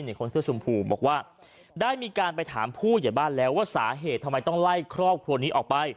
คนเสื้อชมพูบอกว่าได้มีการไปถามผู้ใหญ่บ้านแล้วว่าสาเหตุทำไมต้องไล่ครอบครัวนี้ออกไป